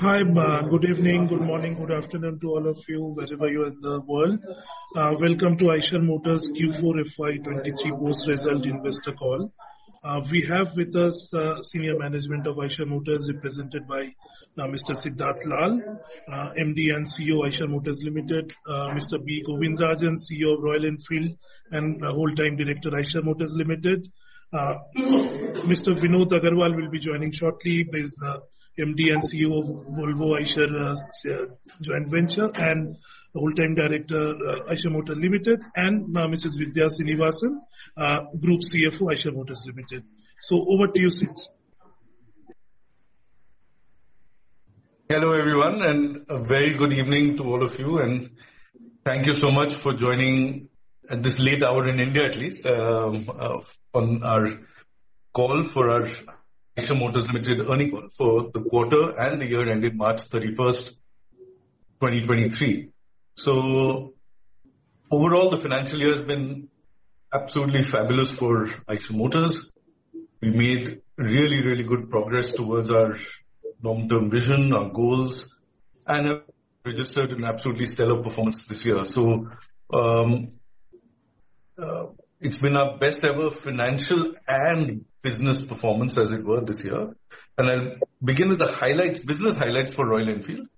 Hi, good evening, good morning, good afternoon to all of you wherever you are in the world. Welcome to Eicher Motors Q4 FY23 post-result investor call. We have with us, senior management of Eicher Motors represented by, Mr. Siddhartha Lal, MD and CEO, Eicher Motors Limited, Mr. B. Govindarajan, CEO of Royal Enfield and whole-time director, Eicher Motors Limited. Mr. Vinod Aggarwal will be joining shortly. He's, MD and CEO of Volvo Eicher, joint venture and whole-time director, Eicher Motors Limited, and, Mrs. Vidhya Srinivasan, Group CFO, Eicher Motors Limited. Over to you, Sid. Hello, everyone, and a very good evening to all of you. Thank you so much for joining at this late hour in India at least, on our call for our Eicher Motors Limited earnings call for the quarter and the year ending March 31, 2023. Overall, the financial year has been absolutely fabulous for Eicher Motors. We made really, really good progress towards our long-term vision, our goals, and have registered an absolutely stellar performance this year. It's been our best ever financial and business performance as it were this year. I'll begin with the highlights, business highlights for Royal Enfield.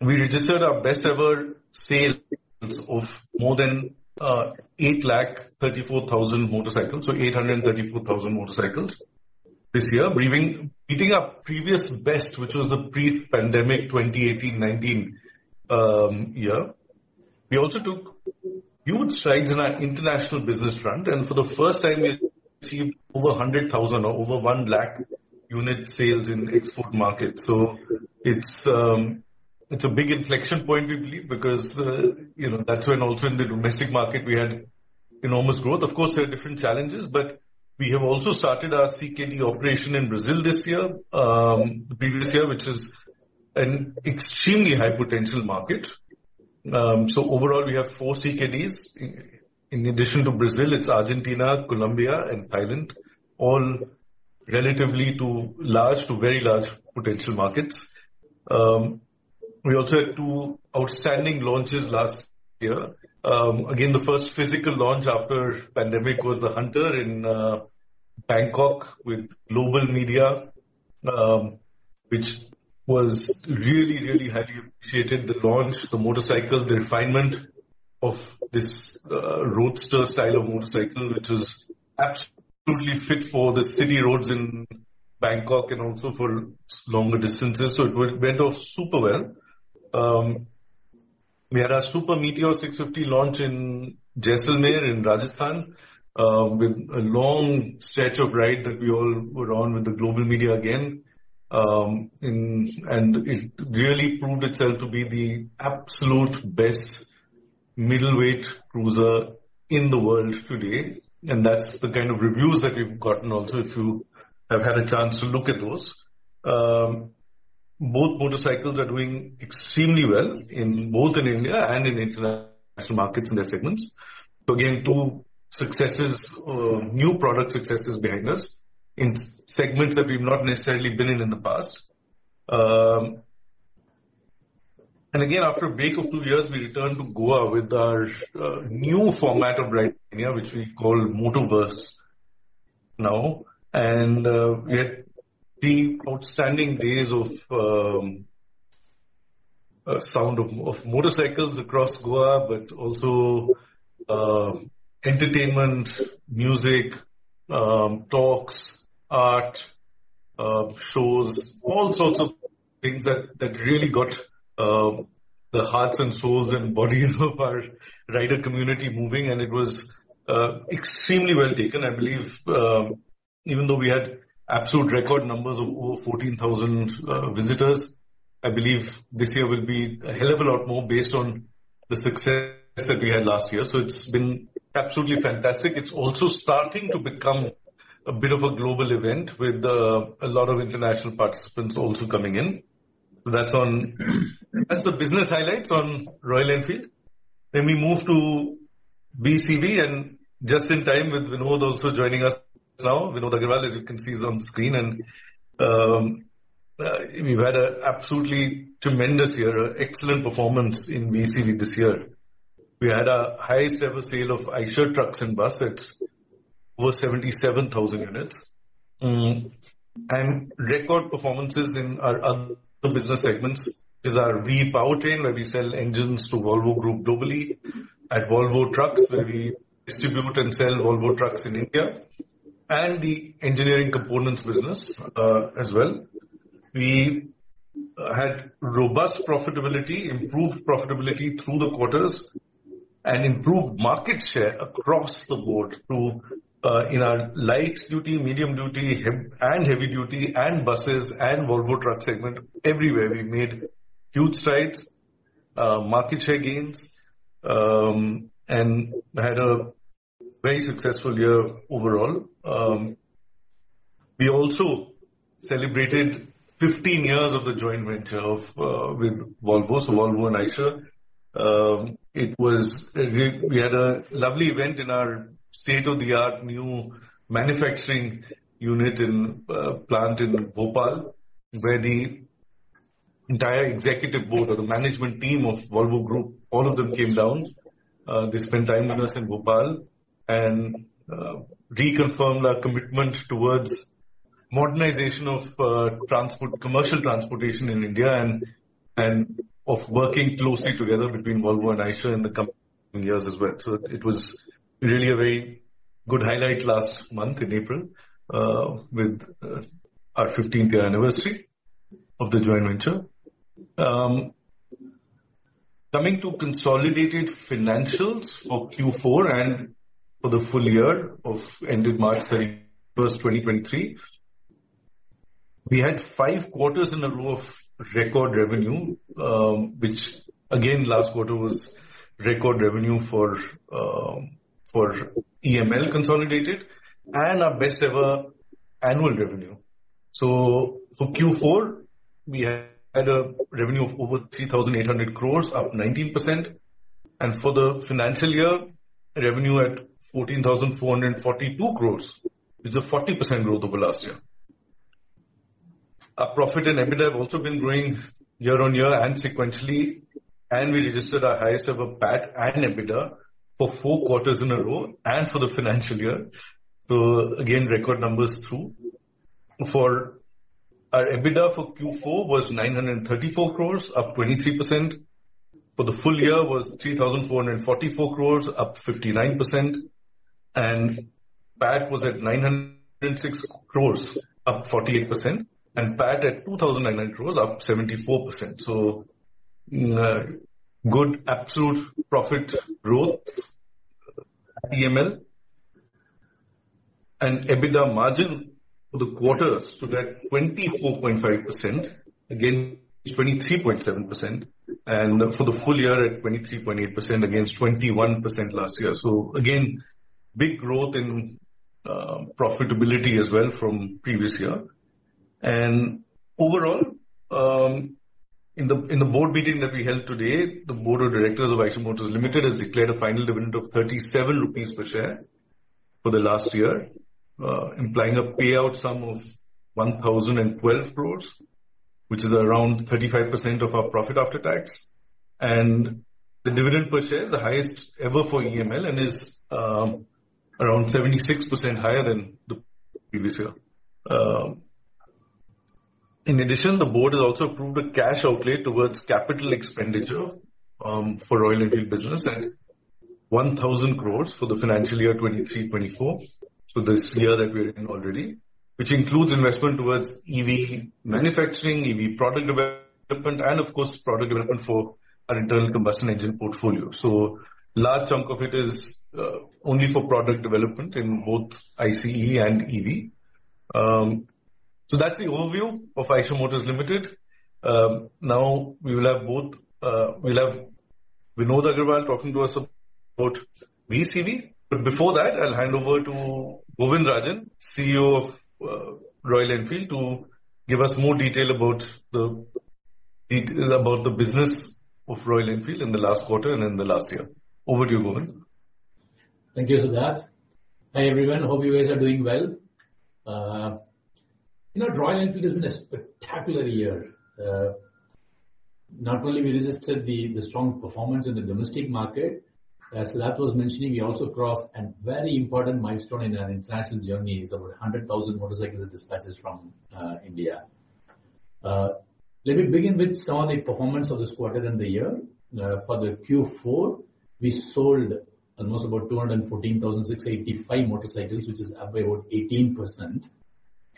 We registered our best ever sales of more than 8 lakh 34,000 motorcycles. 834,000 motorcycles this year. Beating our previous best, which was the pre-pandemic 2018-19 year. We also took huge strides in our international business front. For the first time we achieved over 100,000 or over 1 lakh unit sales in export markets. It's a big inflection point, we believe, because, you know, that's when also in the domestic market we had enormous growth. Of course, there are different challenges, but we have also started our CKD operation in Brazil this year, the previous year, which is an extremely high potential market. Overall, we have 4 CKDs. In addition to Brazil, it's Argentina, Colombia and Thailand, all relatively large to very large potential markets. We also had two outstanding launches last year. Again, the first physical launch after pandemic was the Hunter in Bangkok with global media, which was really, really highly appreciated. The launch, the motorcycle, the refinement of this roadster style of motorcycle, which is absolutely fit for the city roads in Bangkok and also for longer distances. It went off super well. We had our Super Meteor 650 launch in Jaisalmer in Rajasthan, with a long stretch of ride that we all were on with the global media again. It really proved itself to be the absolute best middleweight cruiser in the world today. That's the kind of reviews that we've gotten also, if you have had a chance to look at those. Both motorcycles are doing extremely well in India and in international markets in their segments. Again, two successes, new product successes behind us in segments that we've not necessarily been in in the past. Again, after a break of two years, we returned to Goa with our new format of Rider Mania, which we call Motoverse now. We had three outstanding days of sound of motorcycles across Goa, but also entertainment, music, talks, art, shows, all sorts of things that really got the hearts and souls and bodies of our rider community moving. It was extremely well taken. I believe, even though we had absolute record numbers of over 14,000 visitors, I believe this year will be a hell of a lot more based on the success that we had last year. It's been absolutely fantastic. It's also starting to become a bit of a global event with a lot of international participants also coming in. That's the business highlights on Royal Enfield. We move to VECV and just in time with Vinod also joining us now. Vinod Aggarwal, as you can see, is on screen. We've had a absolutely tremendous year, excellent performance in VECV this year. We had our highest ever sale of Eicher trucks and buses. Over 77,000 units. Record performances in our other business segments is our VE Powertrain, where we sell engines to Volvo Group globally, at Volvo Trucks, where we distribute and sell Volvo Trucks in India, and the engineering components business as well. We had robust profitability, improved profitability through the quarters and improved market share across the board in our light duty, medium duty, heavy-duty and buses and Volvo Truck segment. Everywhere we made huge strides, market share gains, had a very successful year overall. We also celebrated 15 years of the joint venture with Volvo. Volvo and Eicher. We had a lovely event in our state-of-the-art new manufacturing unit in plant in Bhopal, where the entire executive board or the management team of Volvo Group, all of them came down. They spent time with us in Bhopal and reconfirmed our commitment towards modernization of transport, commercial transportation in India and of working closely together between Volvo and Eicher in the coming years as well. It was really a very good highlight last month in April with our 15th-year anniversary of the joint venture. Coming to consolidated financials for Q4 and for the full year ended March 31st, 2023, we had five quarters in a row of record revenue, which again, last quarter was record revenue for EML consolidated and our best ever annual revenue. For Q4, we had a revenue of over 3,800 crores, up 19%. For the financial year, revenue at 14,442 crores is a 40% growth over last year. Our profit and EBITDA have also been growing year-over-year and sequentially, and we registered our highest ever PAT and EBITDA for four quarters in a row and for the financial year. Again, record numbers through. For our EBITDA for Q4 was 934 crores, up 23%. For the full year was 3,444 crores, up 59%. PAT was at 906 crores, up 48%. PAT at 2,009 crores, up 74%. Good absolute profit growth at EML. EBITDA margin for the quarter stood at 24.5% against 23.7%, and for the full year at 23.8% against 21% last year. Again, big growth in profitability as well from previous year. Overall, in the board meeting that we held today, the board of directors of Eicher Motors Limited has declared a final dividend of 37 rupees per share for the last year, implying a payout sum of 1,012 crores, which is around 35% of our profit after tax. The dividend per share is the highest ever for EML and is around 76% higher than the previous year. In addition, the board has also approved a cash outlay towards capital expenditure for Royal Enfield business and 1,000 crores for the financial year 2023, 2024. This year that we are in already, which includes investment towards EV manufacturing, EV product development, and of course, product development for our internal combustion engine portfolio. Large chunk of it is only for product development in both ICE and EV. That's the overview of Eicher Motors Limited. Now we'll have Vinod Aggarwal talking to us about VECV. Before that, I'll hand over to Govindarajan, CEO of Royal Enfield, to give us more detail about the business of Royal Enfield in the last quarter and in the last year. Over to you, Govind. Thank you, Siddharth. Hi, everyone. Hope you guys are doing well. you know, Royal Enfield has been a spectacular year. Not only we registered the strong performance in the domestic market, as Siddharth was mentioning, we also crossed a very important milestone in our international journey is over 100,000 motorcycles dispatches from India. Let me begin with some of the performance of this quarter and the year. For the Q4, we sold almost about 214,685 motorcycles, which is up by about 18%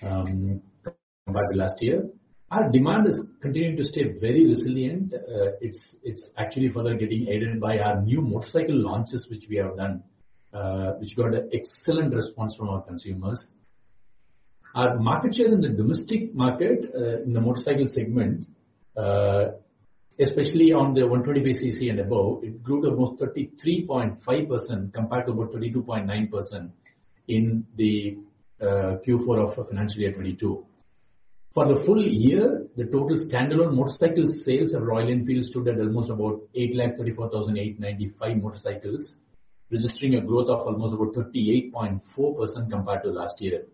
compared to last year. Our demand is continuing to stay very resilient. It's actually further getting aided by our new motorcycle launches, which we have done, which got an excellent response from our consumers. Our market share in the domestic market, in the motorcycle segment, especially on the 125 cc and above, it grew to almost 33.5% compared to about 32.9% in the Q4 of financial year 2022. For the full year, the total standalone motorcycle sales at Royal Enfield stood at almost about 8,34,895 motorcycles, registering a growth of almost about 38.4% compared to last year.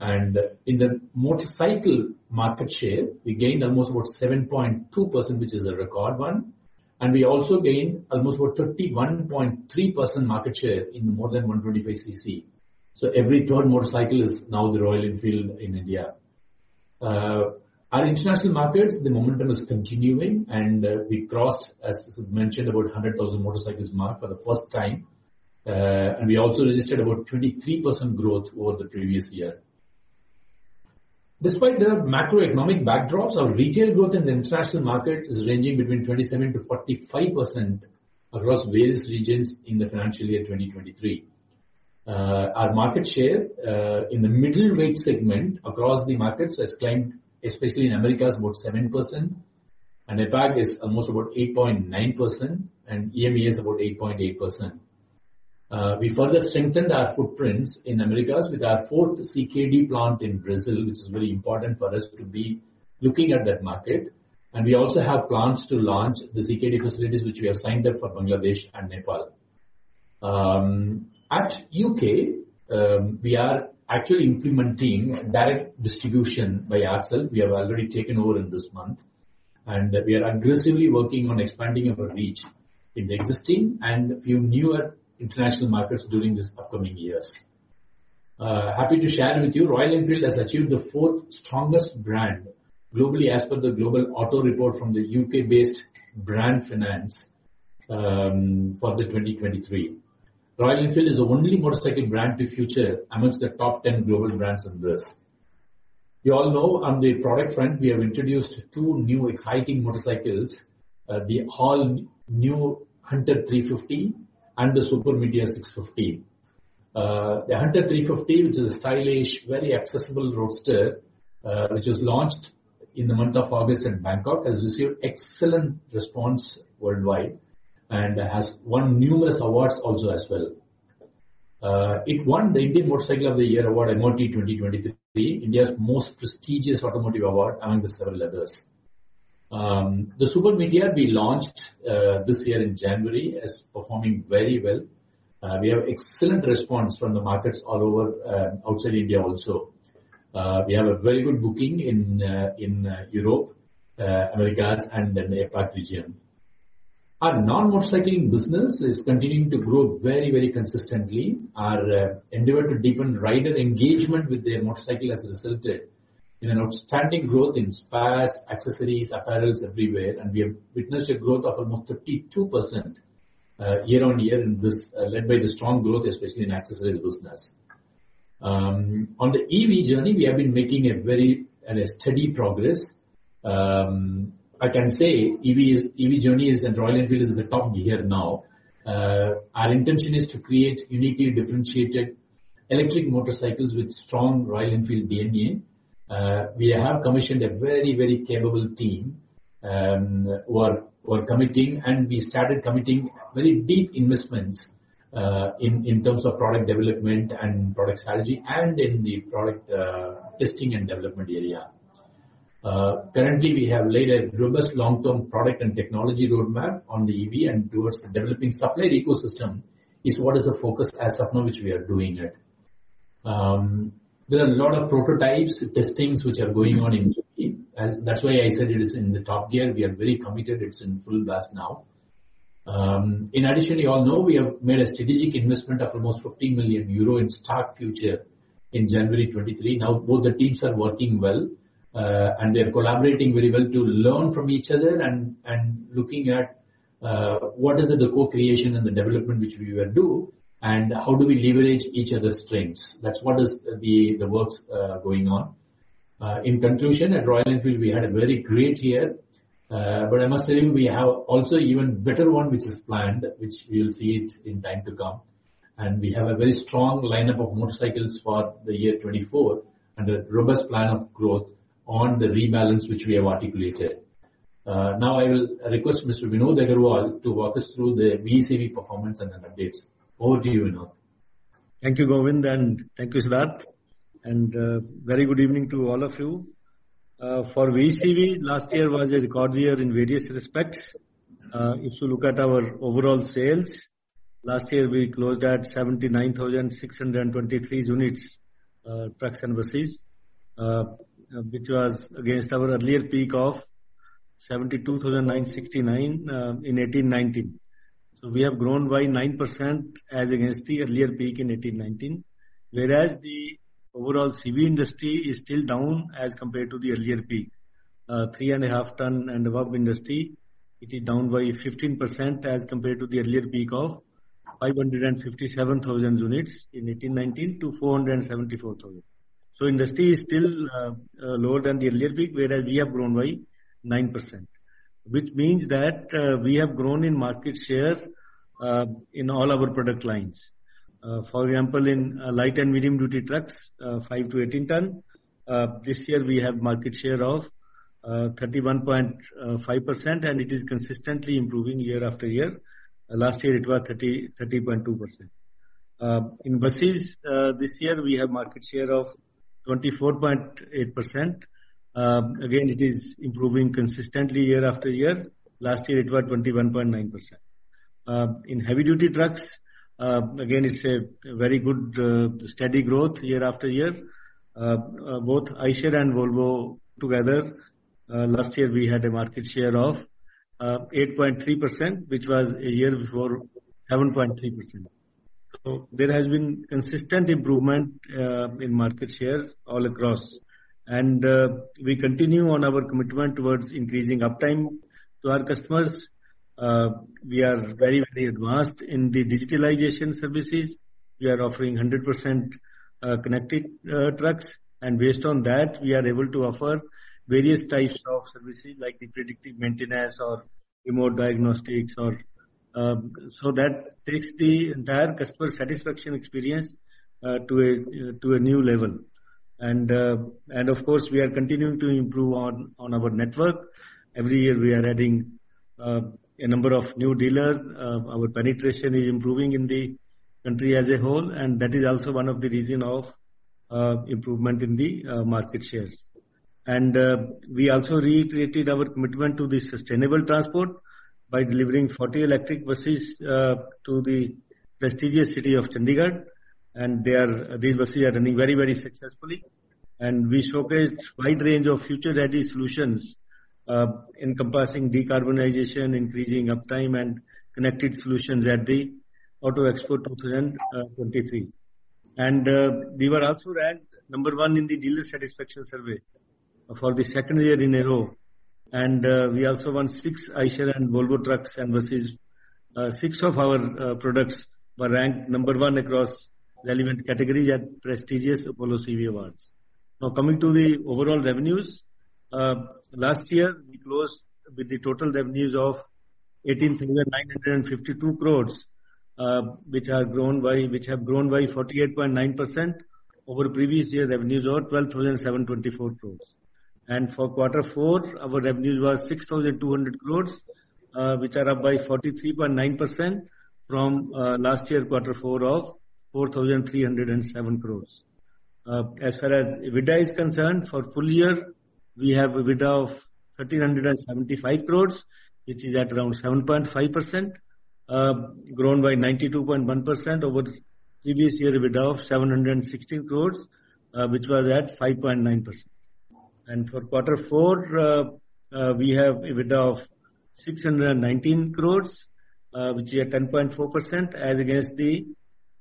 In the motorcycle market share, we gained almost about 7.2%, which is a record one. We also gained almost about 31.3% market share in more than 125 cc. Every third motorcycle is now the Royal Enfield in India. Our international markets, the momentum is continuing. We crossed, as Siddharth mentioned, about 100,000 motorcycles mark for the first time. We also registered about 23% growth over the previous year. Despite the macroeconomic backdrops, our retail growth in the international market is ranging between 27%-45% across various regions in the financial year 2023. Our market share in the middleweight segment across the markets has climbed, especially in Americas, about 7%. In fact, is almost about 8.9%, and EMEA is about 8.8%. We further strengthened our footprints in Americas with our 4th CKD plant in Brazil, which is really important for us to be looking at that market. We also have plans to launch the CKD facilities which we have signed up for Bangladesh and Nepal. At U.K., we are actually implementing direct distribution by ourselves. We have already taken over in this month. We are aggressively working on expanding our reach in the existing and a few newer international markets during these upcoming years. Happy to share with you, Royal Enfield has achieved the fourth strongest brand globally as per the global auto report from the U.K.-based Brand Finance for 2023. Royal Enfield is the only motorcycle brand to feature amongst the top 10 global brands of this. You all know on the product front, we have introduced two new exciting motorcycles, the all new Hunter 350 and the Super Meteor 650. The Hunter 350, which is a stylish, very accessible roadster, which was launched in the month of August in Bangkok, has received excellent response worldwide and has won numerous awards also as well. It won the Indian Motorcycle of the Year award, IMOTY 2023, India's most prestigious automotive award, among the several others. The Super Meteor we launched this year in January is performing very well. We have excellent response from the markets all over, outside India also. We have a very good booking in Europe, Americas and the APAC region. Our non-motorcycling business is continuing to grow very, very consistently. Our endeavor to deepen rider engagement with their motorcycle has resulted in an outstanding growth in spares, accessories, apparels everywhere. We have witnessed a growth of about 32% year-on-year in this, led by the strong growth, especially in accessories business. On the EV journey, we have been making at a steady progress. I can say EV journey is and Royal Enfield is at the top gear now. Our intention is to create uniquely differentiated electric motorcycles with strong Royal Enfield DNA. We have commissioned a very capable team who are committing, and we started committing very deep investments in terms of product development and product strategy and in the product testing and development area. Currently we have laid a robust long-term product and technology roadmap on the EV and towards developing supplier ecosystem is what is the focus as of now, which we are doing it. There are a lot of prototypes with testings which are going on in EV. That's why I said it is in the top gear. We are very committed. It's in full blast now. In addition, you all know we have made a strategic investment of almost 15 million euro in STARK Future in January 2023. Now both the teams are working well, and they are collaborating very well to learn from each other and looking at what is it the co-creation and the development which we will do and how do we leverage each other's strengths. That's what is the works going on. In conclusion, at Royal Enfield, we had a very great year. I must tell you, we have also even better one which is planned, which we'll see it in time to come. We have a very strong lineup of motorcycles for the year 2024 and a robust plan of growth on the rebalance which we have articulated. Now I will request Mr. Vinod Aggarwal to walk us through the VECV performance and the updates. Over to you, Vinod. Thank you, Govind, and thank you, Siddharth. Very good evening to all of you. For VECV, last year was a record year in various respects. If you look at our overall sales, last year we closed at 79,623 units, trucks and buses, which was against our earlier peak of 72,969 in 2018-2019. We have grown by 9% as against the earlier peak in 2018-2019. The overall CV industry is still down as compared to the earlier peak. 3.5 ton and above industry, it is down by 15% as compared to the earlier peak of 557,000 units in 2018-2019 to 474,000. Industry is still lower than the earlier peak, whereas we have grown by 9%. Which means that we have grown in market share in all our product lines. For example, in light and medium duty trucks, five to 18 ton, this year we have market share of 31.5%, and it is consistently improving year after year. Last year, it was 30.2%. In buses, this year, we have market share of 24.8%. Again, it is improving consistently year after year. Last year, it was 21.9%. In heavy-duty trucks, again, it's a very good, steady growth year after year. Both Eicher and Volvo together, last year we had a market share of 8.3%, which was a year before 7.3%. There has been consistent improvement in market shares all across. We continue on our commitment towards increasing uptime to our customers. We are very advanced in the digitalization services. We are offering 100% connected trucks. Based on that, we are able to offer various types of services like the predictive maintenance or remote diagnostics or. That takes the entire customer satisfaction experience to a new level. Of course, we are continuing to improve on our network. Every year, we are adding a number of new dealers. Our penetration is improving in the country as a whole, and that is also one of the reason of improvement in the market shares. We also recreated our commitment to the sustainable transport by delivering 40 electric buses to the prestigious city of Chandigarh. These buses are running very, very successfully. We showcased wide range of future-ready solutions, encompassing decarbonization, increasing uptime, and connected solutions at the Auto Expo 2023. We were also ranked number one in the dealer satisfaction survey for the 2nd year in a row. We also won 6 Eicher and Volvo trucks and buses. Six of our products were ranked number one across relevant categories at prestigious Apollo CV Awards. Now, coming to the overall revenues, last year we closed with the total revenues of 18,952 crores, which have grown by 48.9% over previous year revenues of 12,724 crores. For quarter four, our revenues were 6,200 crores, which are up by 43.9% from last year quarter four of 4,307 crores. As far as EBITDA is concerned, for full year, we have EBITDA of 1,375 crores, which is at around 7.5%, grown by 92.1% over the previous year EBITDA of 716 crores, which was at 5.9%. For quarter four, we have EBITDA of 619 crores, which is at 10.4% as against the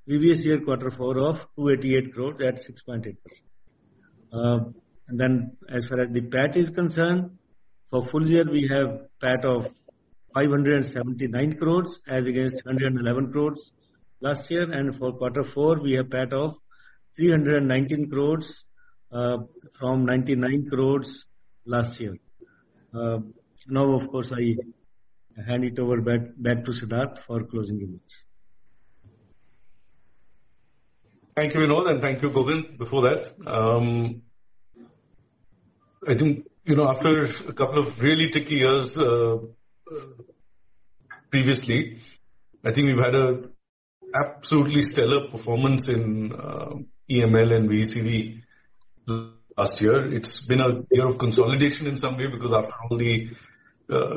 previous year quarter four of 288 crore at 6.8%. As far as the PAT is concerned, for full year we have PAT of 579 crores as against 211 crores last year. For quarter four we have PAT of 319 crores from 99 crores last year. Now of course, I hand it over back to Siddharth for closing remarks. Thank you, Vinod, and thank you, Govind. Before that, I think, you know, after two really tricky years previously, I think we've had a absolutely stellar performance in EML and VECV last year. It's been a year of consolidation in some way because after all the,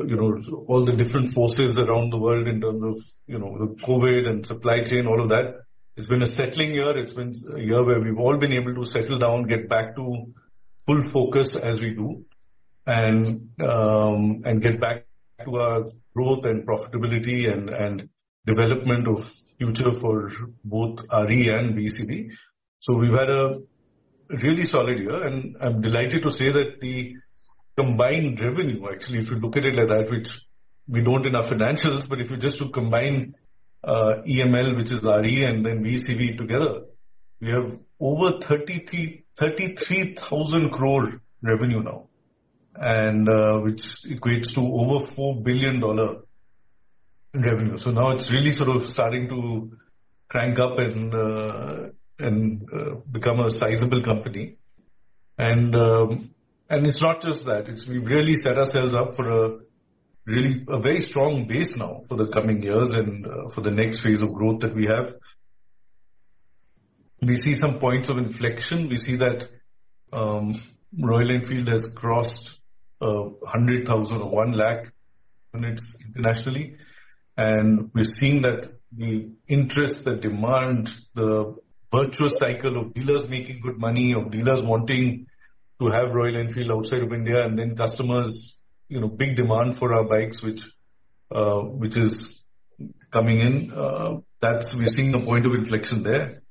you know, all the different forces around the world in terms of, you know, the COVID and supply chain, all of that, it's been a settling year. It's been a year where we've all been able to settle down, get back to full focus as we do and get back to our growth and profitability and development of future for both RE and VECV. We've had a really solid year, and I'm delighted to say that the combined revenue, actually, if you look at it like that, which we don't in our financials, but if you just to combine EML, which is RE, and VECV together, we have over 33,000 crore revenue now, which equates to over $4 billion revenue. Now it's really sort of starting to crank up and become a sizable company. It's not just that. We've really set ourselves up for a really strong base now for the coming years and for the next phase of growth that we have. We see some points of inflection. We see that Royal Enfield has crossed 100,000 or 1 lakh units internationally. We're seeing that the interest, the demand, the virtuous cycle of dealers making good money, of dealers wanting to have Royal Enfield outside of India and then customers, you know, big demand for our bikes which is coming in, we're seeing a point of inflection there.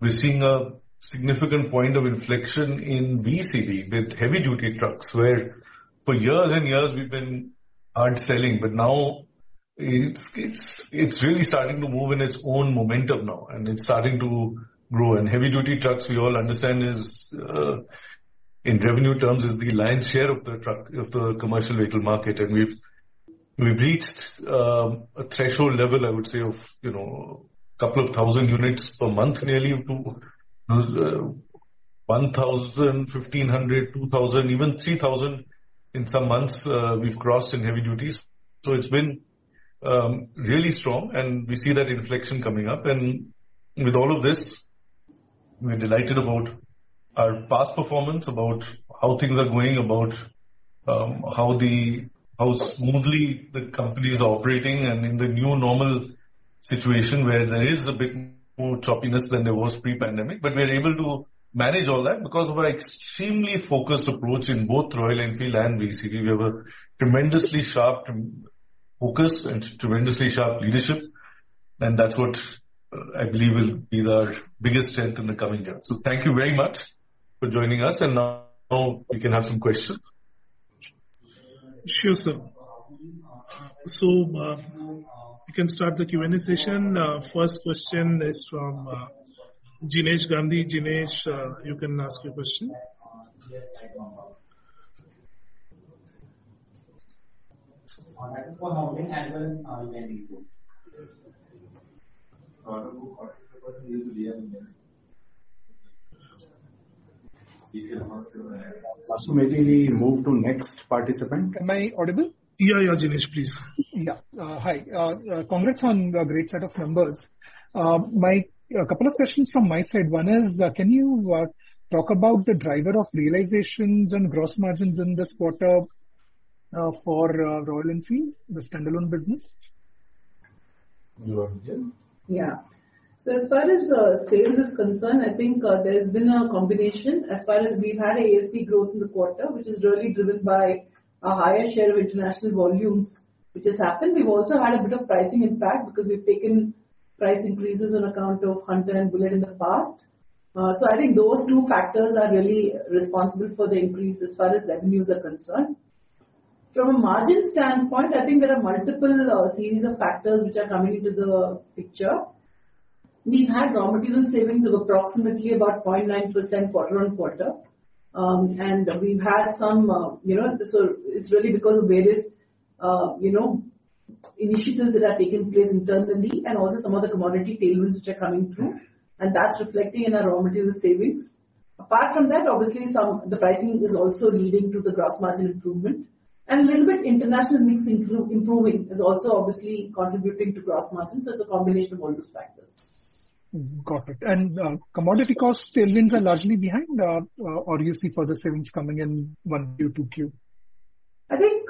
We're seeing a significant point of inflection in VECV with heavy-duty trucks where for years and years we've been hard selling, but now it's really starting to move in its own momentum now, and it's starting to grow. Heavy duty trucks, we all understand, is in revenue terms, is the lion's share of the truck, of the commercial vehicle market. We've reached a threshold level, I would say, of, you know, a couple of thousand units per month, nearly up to 1,000, 1,500, 2,000, even 3,000 in some months, we've crossed in heavy duties. It's been really strong and we see that inflection coming up. With all of this, we're delighted about our past performance, about how things are going, about how smoothly the company is operating and in the new normal situation where there is a bit more choppiness than there was pre-pandemic. We are able to manage all that because of our extremely focused approach in both Royal Enfield and VECV. We have a tremendously sharp focus and tremendously sharp leadership, and that's what I believe will be our biggest strength in the coming years. Thank you very much for joining us. Now we can have some questions. Sure, sir. We can start the Q&A session. First question is from Jinesh Gandhi. Jinesh, you can ask your question. Maybe we move to next participant. Am I audible? Yeah, yeah, Jinesh, please. Yeah. Hi. Congrats on the great set of numbers. A couple of questions from my side. One is, can you talk about the driver of realizations and gross margins in this quarter for Royal Enfield, the standalone business? You want to begin? As far as sales is concerned, I think there's been a combination. As far as we've had ASP growth in the quarter, which is really driven by a higher share of international volumes which has happened. We've also had a bit of pricing impact because we've taken price increases on account of Hunter and Bullet in the past. I think those two factors are really responsible for the increase as far as revenues are concerned. From a margin standpoint, I think there are multiple series of factors which are coming into the picture. We've had raw material savings of approximately about 0.9% quarter-on-quarter. We've had some, you know, it's really because of various, you know, initiatives that have taken place internally and also some of the commodity tailwinds which are coming through, and that's reflecting in our raw material savings. Apart from that, obviously the pricing is also leading to the gross margin improvement. A little bit international mix improving is also obviously contributing to gross margin, so it's a combination of all those factors. Got it. Commodity cost tailwinds are largely behind, or you see further savings coming in 1Q, 2Q? I think,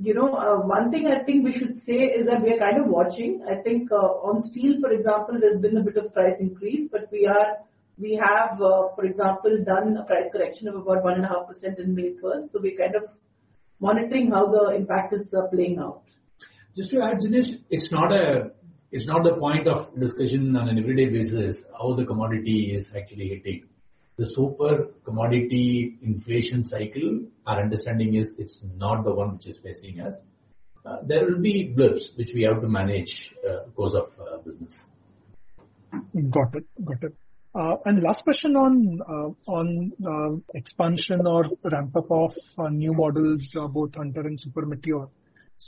you know, one thing I think we should say is that we are kind of watching. I think, on steel, for example, there's been a bit of price increase, but we have, for example, done a price correction of about 1.5% in May 1st. We're kind of monitoring how the impact is playing out. Just to add, Jinesh. It's not a, it's not a point of discussion on an everyday basis how the commodity is actually hitting. The super commodity inflation cycle, our understanding is it's not the one which is facing us. There will be blips which we have to manage, because of business. Got it. Last question on expansion or ramp up of new models, both Hunter and Super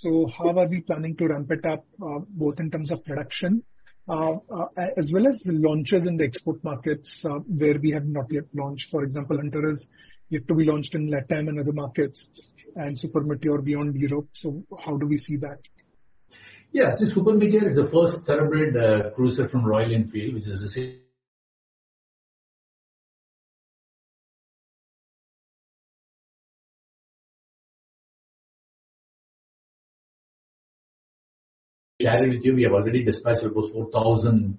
Meteor. How are we planning to ramp it up, both in terms of production, as well as the launches in the export markets, where we have not yet launched? For example, Hunter is yet to be launched in LATAM and other markets and Super Meteor beyond Europe. How do we see that? Yeah. Super Meteor is the first thoroughbred cruiser from Royal Enfield, which is shared with you. We have already dispatched almost 4,000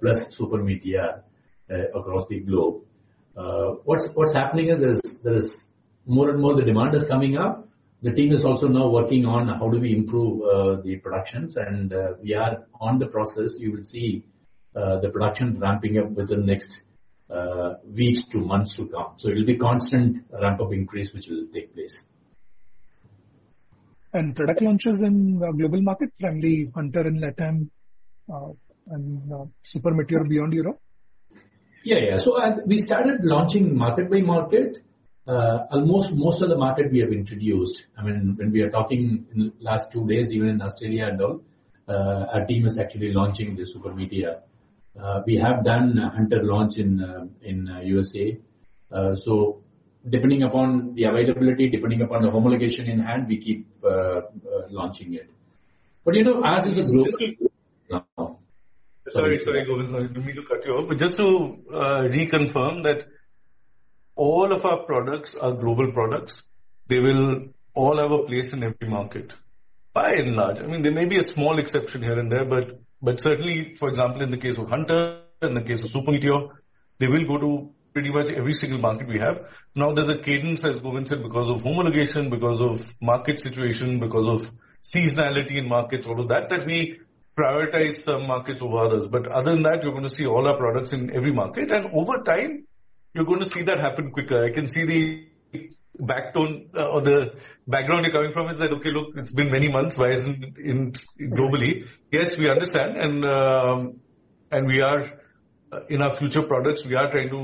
plus Super Meteor across the globe. What's happening is there's more and more the demand is coming up. The team is also now working on how do we improve the productions. We are on the process. You will see the production ramping up within next weeks to months to come. It'll be constant ramp up increase, which will take place. Product launches in global markets, mainly Hunter in LATAM, and Super Meteor beyond Europe? Yeah, yeah. We started launching market by market. Almost most of the market we have introduced. I mean, when we are talking in the last two days even in Australia and all, our team is actually launching the Super Meteor. We have done Hunter launch in USA. Depending upon the availability, depending upon the homologation in hand, we keep launching it. You know, as is a global. Sorry, sorry, Govind, didn't mean to cut you off. Just to reconfirm that all of our products are global products. They will all have a place in every market, by and large. I mean, there may be a small exception here and there, but certainly, for example, in the case of Hunter, in the case of Super Meteor, they will go to pretty much every single market we have. There's a cadence, as Govind said, because of homologation, because of market situation, because of seasonality in markets, all of that we prioritize some markets over others. Other than that, you're going to see all our products in every market. Over time, you're going to see that happen quicker. I can see the back tone or the background you're coming from is that, "Okay, look, it's been many months. Why isn't it in globally?" Yes, we understand. We are, in our future products, we are trying to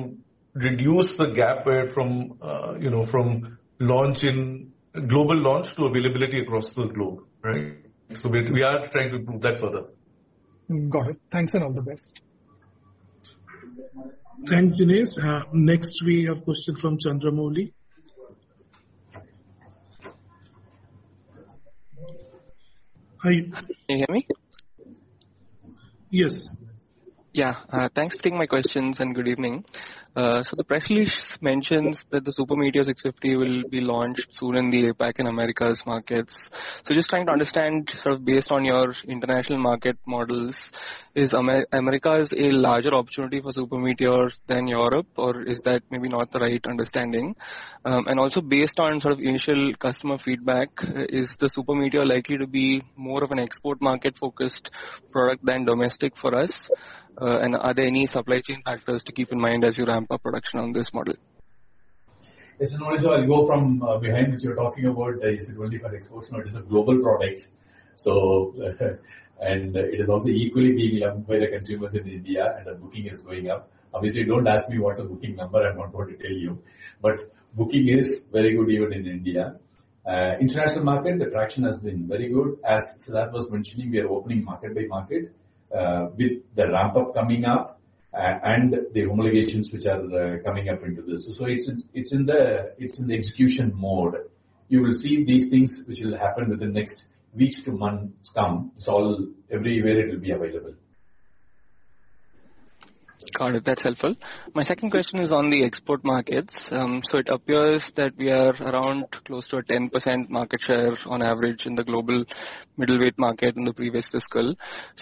reduce the gap where from, you know, from global launch to availability across the globe, right? We are trying to move that further. Got it. Thanks and all the best. Thanks, Jinesh. Next we have question from Chandramouli. Hi. Can you hear me? Yes. Yeah. Thanks for taking my questions and good evening. The press release mentions that the Super Meteor 650 will be launched soon in the APAC and Americas markets. Just trying to understand, sort of based on your international market models, is America a larger opportunity for Super Meteors than Europe, or is that maybe not the right understanding? Also based on sort of initial customer feedback, is the Super Meteor likely to be more of an export market-focused product than domestic for us? Are there any supply chain factors to keep in mind as you ramp up production on this model? Yes. I'll go from behind which you're talking about, is it only for export? No, it is a global product. And it is also equally being loved by the consumers in India and the booking is going up. Obviously, don't ask me what's the booking number. I'm not going to tell you. But booking is very good even in India. International market, the traction has been very good. As Siddharth was mentioning, we are opening market by market with the ramp up coming up and the homologations which are coming up into this. It's, it's in the, it's in the execution mode. You will see these things which will happen within next week to month come. Everywhere it will be available. Got it. That's helpful. My second question is on the export markets. It appears that we are around close to a 10% market share on average in the global middle weight market in the previous fiscal.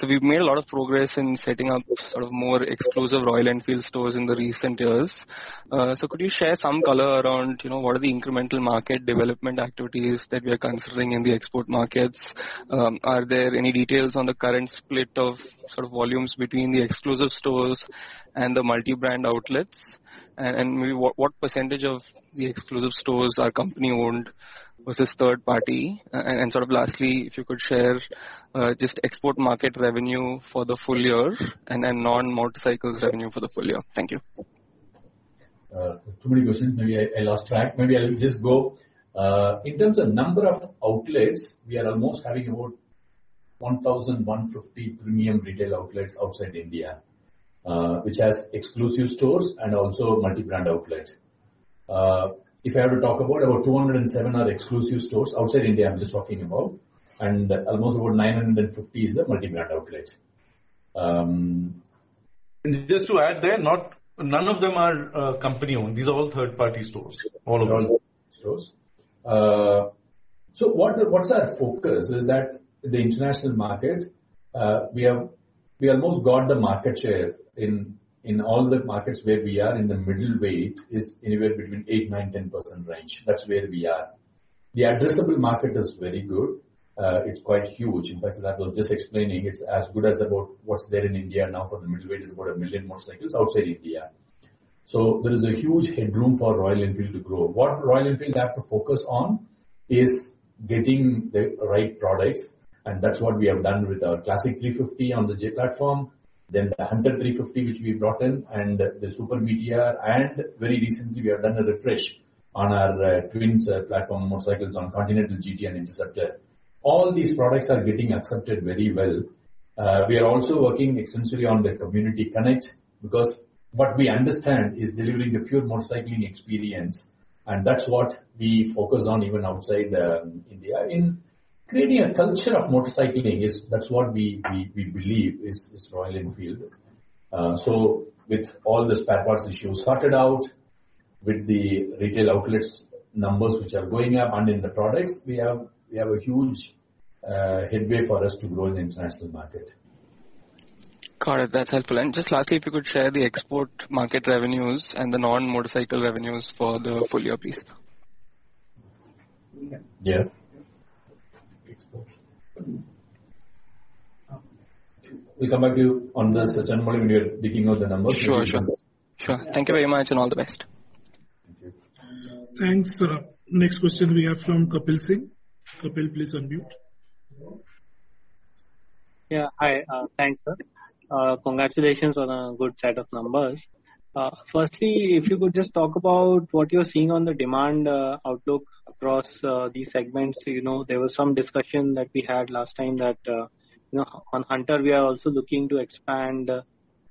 We've made a lot of progress in setting up sort of more exclusive Royal Enfield stores in the recent years. Could you share some color around, you know, what are the incremental market development activities that we are considering in the export markets? Are there any details on the current split of sort of volumes between the exclusive stores and the multi-brand outlets? What percentage of the exclusive stores are company-owned versus third party? Sort of lastly, if you could share just export market revenue for the full year and then non-motorcycles revenue for the full year. Thank you. Too many questions. Maybe I lost track. Maybe I'll just go. In terms of number of outlets, we are almost having about 1,150 premium retail outlets outside India, which has exclusive stores and also multi-brand outlets. If I have to talk about, over 207 are exclusive stores outside India, I'm just talking about, and almost about 950 is the multi-brand outlet. Just to add there, none of them are company-owned. These are all third-party stores. All of them. All third-party stores. What's our focus is that the international market, we have, we almost got the market share in all the markets where we are in the middle weight is anywhere between 8%, 9%, 10% range. That's where we are. The addressable market is very good. It's quite huge. In fact, Siddharth was just explaining, it's as good as about what's there in India now for the middle weight is about one million motorcycles outside India. There is a huge headroom for Royal Enfield to grow. What Royal Enfield have to focus on is getting the right products, and that's what we have done with our Classic 350 on the J platform, then the Hunter 350 which we brought in, and the Super Meteor. Very recently we have done a refresh on our twins platform motorcycles on Continental GT and Interceptor. All these products are getting accepted very well. We are also working extensively on the community connect because what we understand is delivering the pure motorcycling experience, and that's what we focus on even outside India. In creating a culture of motorcycling is that's what we believe is Royal Enfield. With all the spare parts issues sorted out, with the retail outlets numbers which are going up and in the products, we have a huge headway for us to grow in the international market. Got it. That's helpful. Just lastly, if you could share the export market revenues and the non-motorcycle revenues for the full year, please? We'll come back to you on this, Chandan, probably when we are picking up the numbers. Sure, sure. Sure. Thank you very much. All the best. Thank you. Thanks. Next question we have from Kapil Singh. Kapil, please unmute. Hi. Thanks, sir. Congratulations on a good set of numbers. Firstly, if you could just talk about what you're seeing on the demand outlook across these segments. You know, there was some discussion that we had last time that, you know, on Hunter we are also looking to expand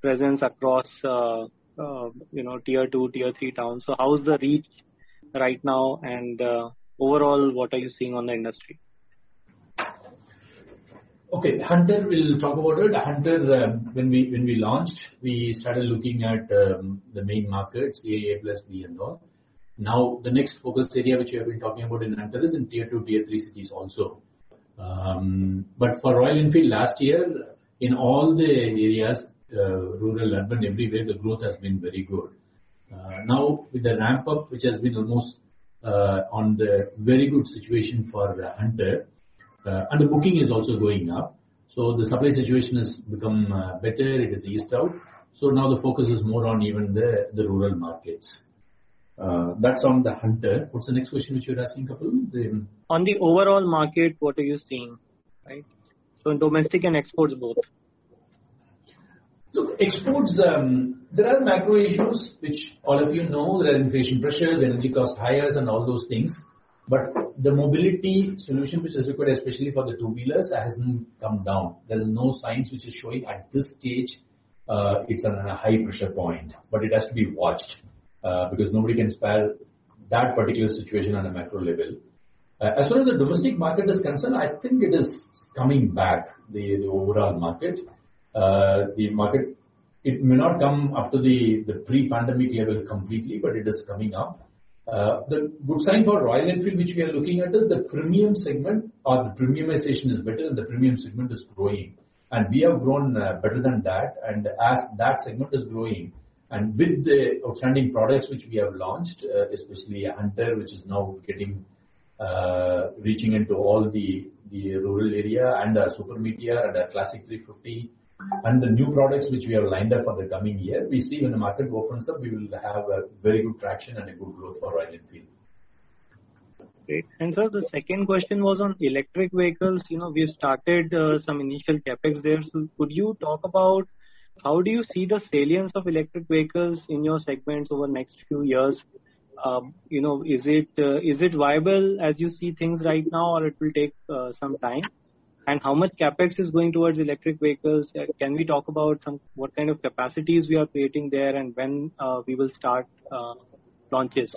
presence across, you know, Tier 2, Tier 3 towns. How's the reach right now? Overall, what are you seeing on the industry? Okay. Hunter, we'll talk about it. Hunter, when we, when we launched, we started looking at the main markets, A+, B and all. The next focused area which we have been talking about in Hunter is in tier two, tier three cities also. For Royal Enfield last year, in all the areas, rural, urban, everywhere the growth has been very good. Now with the ramp up, which has been almost on the very good situation for Hunter, the booking is also going up. The supply situation has become better. It has eased out. Now the focus is more on even the rural markets. That's on the Hunter. What's the next question which you were asking, Kapil? On the overall market, what are you seeing? Right. In domestic and exports both. Exports, there are macro issues which all of you know. There are inflation pressures, energy cost higher and all those things. The mobility solution which is required especially for the two-wheelers hasn't come down. There's no signs which is showing at this stage, it's on a high pressure point. It has to be watched, because nobody can spell that particular situation on a macro level. As far as the domestic market is concerned, I think it is coming back, the overall market. The market, it may not come up to the pre-pandemic level completely, it is coming up. The good sign for Royal Enfield which we are looking at is the premium segment or the premiumization is better and the premium segment is growing. We have grown better than that. As that segment is growing, and with the outstanding products which we have launched, especially Hunter, which is now getting, reaching into all the rural area and our Super Meteor and our Classic 350, and the new products which we have lined up for the coming year, we see when the market opens up, we will have a very good traction and a good growth for Royal Enfield. Great. Sir, the second question was on electric vehicles. You know, we have started some initial CapEx there. Could you talk about how do you see the salience of electric vehicles in your segments over the next few years? You know, is it, is it viable as you see things right now, or it will take some time? How much CapEx is going towards electric vehicles? Can we talk about what kind of capacities we are creating there and when we will start launches?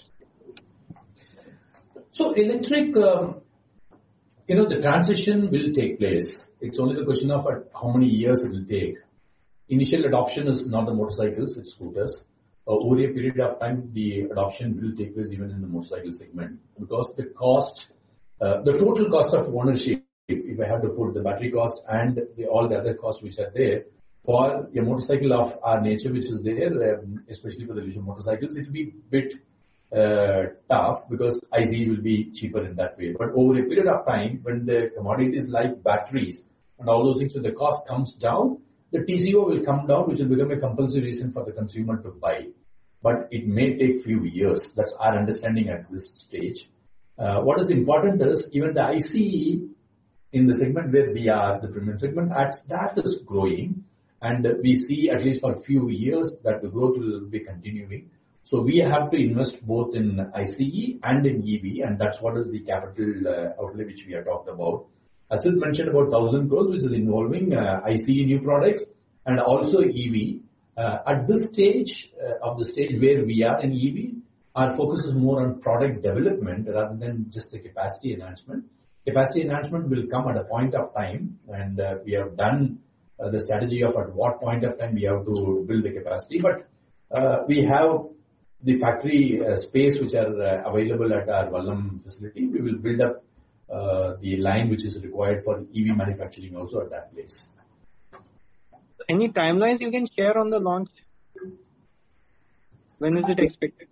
Electric, you know, the transition will take place. It's only the question of at how many years it will take. Initial adoption is not the motorcycles, it's scooters. Over a period of time, the adoption will take place even in the motorcycle segment. Because the cost, the total cost of ownership, if I have to put the battery cost and all the other costs which are there, for a motorcycle of our nature which is there, especially for the leisure motorcycles, it'll be bit tough because ICE will be cheaper in that way. Over a period of time, when the commodities like batteries and all those things, the cost comes down, the TCO will come down, which will become a compulsory reason for the consumer to buy. It may take few years. That's our understanding at this stage. What is important is even the ICE in the segment where we are, the premium segment, as that is growing and we see at least for a few years that the growth will be continuing. We have to invest both in ICE and in EV, and that's what is the capital outlay which we have talked about. As it mentioned about 1,000 crore, which is involving ICE new products and also EV. At this stage of the stage where we are in EV, our focus is more on product development rather than just the capacity enhancement. Capacity enhancement will come at a point of time, and we have done the strategy of at what point of time we have to build the capacity. We have the factory space which are available at our Vallam facility. We will build up, the line which is required for EV manufacturing also at that place. Any timelines you can share on the launch? When is it expected?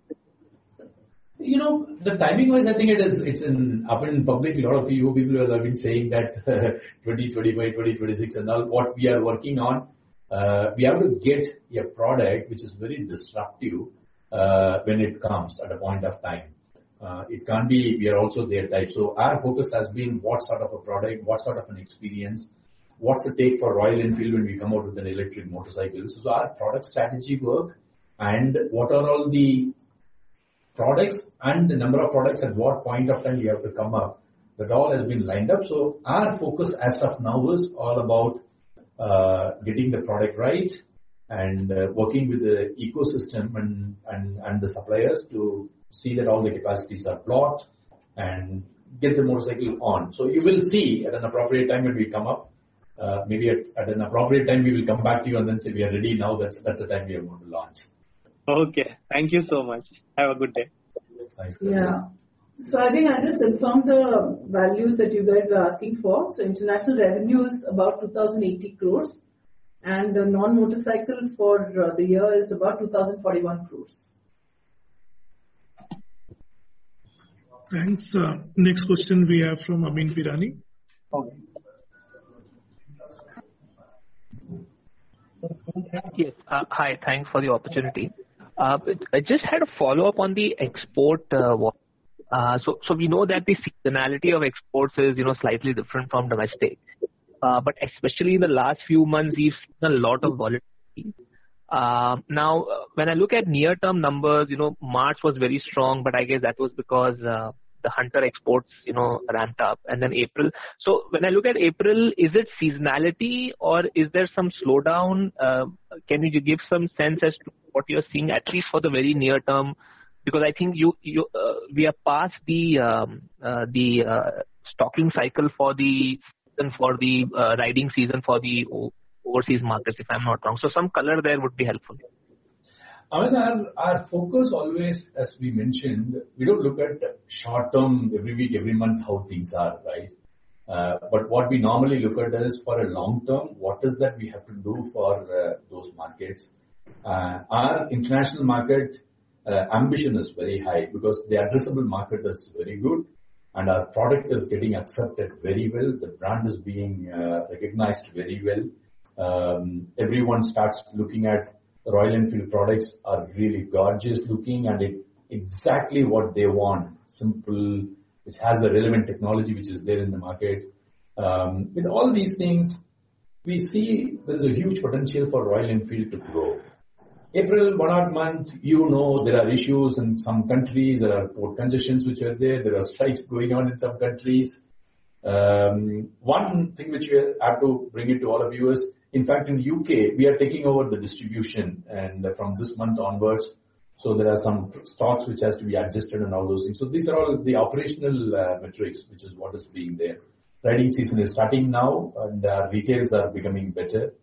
You know, the timing-wise, I think it is, it's in, out in public. A lot of you people have been saying that 2025, 2026 and all. What we are working on, we have to get a product which is very disruptive, when it comes at a point of time. It can't be we are also there type. Our focus has been what sort of a product, what sort of an experience, what's the take for Royal Enfield when we come out with an electric motorcycle. Our product strategy work and what are all the products and the number of products at what point of time we have to come up. That all has been lined up. Our focus as of now is all about getting the product right and working with the ecosystem and the suppliers to see that all the capacities are plot and get the motorcycle on. You will see at an appropriate time when we come up. Maybe at an appropriate time we will come back to you and then say, "We are ready now." That's the time we are going to launch. Okay. Thank you so much. Have a good day. Thanks. Yeah. I think I just confirmed the values that you guys were asking for. International revenue is about 2,080 crores and non-motorcycles for the year is about 2,041 crores. Thanks. Next question we have from Amyn Pirani. Okay. Yes. Hi. Thanks for the opportunity. I just had a follow-up on the export, one. We know that the seasonality of exports is, you know, slightly different from domestic. Especially in the last few months, we've seen a lot of volatility. Now when I look at near-term numbers, you know, March was very strong, but I guess that was because, the Hunter exports, you know, ramped up and then April. When I look at April, is it seasonality or is there some slowdown? Can you give some sense as to what you are seeing at least for the very near term? I think you, we are past the, stocking cycle for the, for the, riding season for the overseas markets, if I'm not wrong. Some color there would be helpful. Amyn, our focus always, as we mentioned, we don't look at short term, every week, every month, how things are, right? What we normally look at is for a long term, what is that we have to do for those markets. Our international market ambition is very high because the addressable market is very good and our product is getting accepted very well. The brand is being recognized very well. Everyone starts looking at Royal Enfield products are really gorgeous looking and it exactly what they want. Simple. It has the relevant technology which is there in the market. With all these things, we see there's a huge potential for Royal Enfield to grow. April, what a month. You know, there are issues in some countries. There are port congestions which are there. There are strikes going on in some countries. One thing which we have to bring it to all of you is, in fact in U.K., we are taking over the distribution and from this month onwards, there are some stocks which has to be adjusted and all those things. These are all the operational metrics, which is what is being there. Riding season is starting now and our retails are becoming better.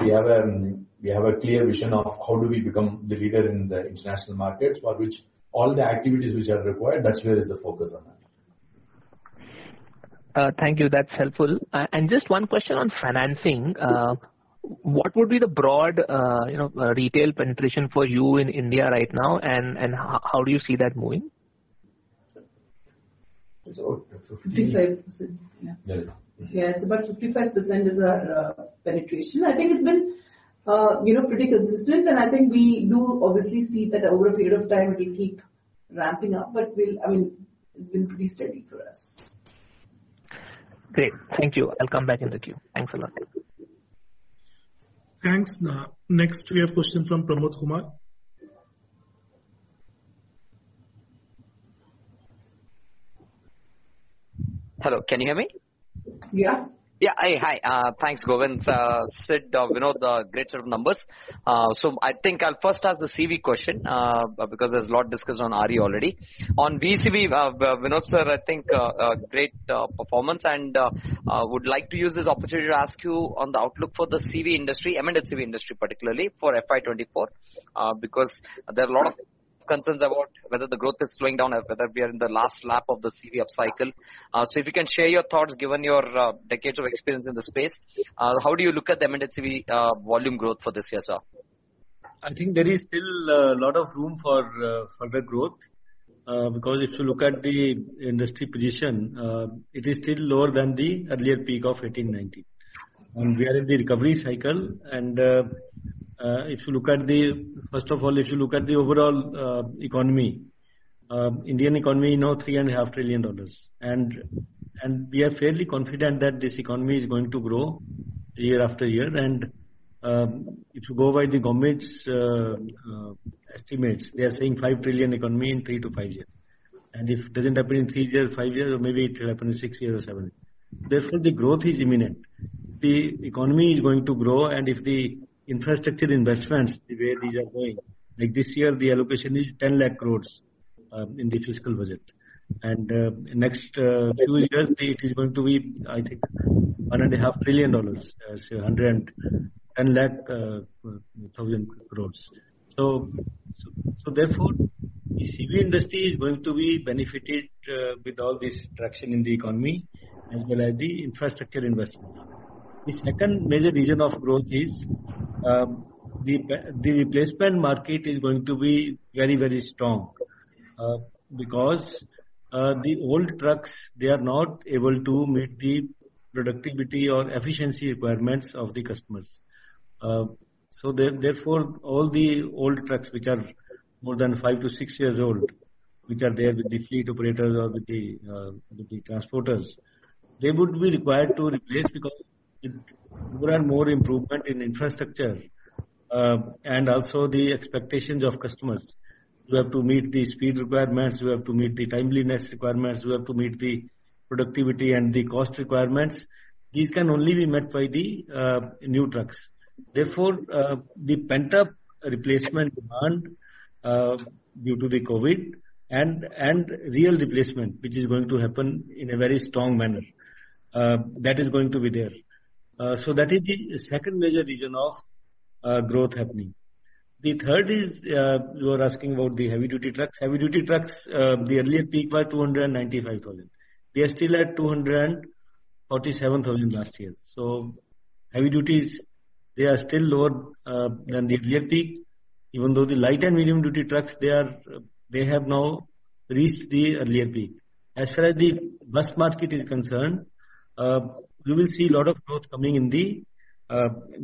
We have a clear vision of how do we become the leader in the international markets, for which all the activities which are required, that's where is the focus on that. Thank you. That's helpful. Just one question on financing. What would be the broad, you know, retail penetration for you in India right now, and how do you see that moving? It's about 55%. 55%, yeah. There you go. Yeah, it's about 55% is our penetration. I think it's been, you know, pretty consistent, and I think we do obviously see that over a period of time it will keep ramping up, but I mean, it's been pretty steady for us. Great. Thank you. I'll come back in the queue. Thanks a lot. Thanks. Next we have question from Pramod Kumar. Hello, can you hear me? Yeah. Yeah. Hey, hi. Thanks, Govind. Sid, Vinod, great set of numbers. I think I'll first ask the CV question, because there's a lot discussed on RE already. On VECV, Vinod, sir, I think, great performance, and would like to use this opportunity to ask you on the outlook for the CV industry, M&CV industry, particularly for FY 2024. Because there are a lot of concerns about whether the growth is slowing down or whether we are in the last lap of the CV upcycle. If you can share your thoughts, given your decades of experience in the space, how do you look at the M&CV volume growth for this year, sir? I think there is still a lot of room for further growth because if you look at the industry position, it is still lower than the earlier peak of 2018-2019. First of all, if you look at the overall economy, Indian economy now $3.5 trillion. We are fairly confident that this economy is going to grow year after year. If you go by the government's estimates, they are saying $5 trillion economy in three to five years. If it doesn't happen in three years, five years or maybe it will happen in six years or seven. Therefore, the growth is imminent. The economy is going to grow. If the infrastructure investments, the way these are going, like this year the allocation is 10 lakh crore in the fiscal budget. Next few years it is going to be, I think, $1.5 trillion, say INR 110 lakh thousand crore. Therefore, the CV industry is going to be benefited with all this traction in the economy as well as the infrastructure investment. The second major reason of growth is the replacement market is going to be very, very strong because the old trucks, they are not able to meet the productivity or efficiency requirements of the customers. Therefore, all the old trucks which are more than five to six years old, which are there with the fleet operators or with the transporters, they would be required to replace because more and more improvement in infrastructure, and also the expectations of customers. We have to meet the speed requirements, we have to meet the timeliness requirements, we have to meet the productivity and the cost requirements. These can only be met by the new trucks. The pent-up replacement demand due to the COVID and real replacement, which is going to happen in a very strong manner, that is going to be there. That is the second major reason of growth happening. The third is, you were asking about the heavy-duty trucks. Heavy-duty trucks, the earlier peak were 295,000. We are still at 247,000 last year. Heavy duties, they are still lower than the earlier peak. Even though the light and medium duty trucks, they have now reached the earlier peak. As far as the bus market is concerned, we will see a lot of growth coming in the